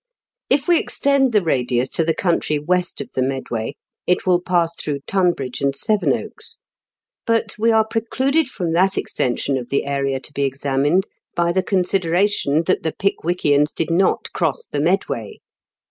If we extend the radius to the country west of the Medway, it will pass through Tunbridge and Sevenoaks; but we are pre cluded from that extension of the area to be examined by the consideration that the Pick wickians did not cross the Medway.